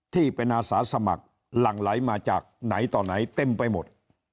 ที่เป็นอาสาสมัครหลั่งไหลมาจากไหนต่อไหนเต็มไปหมด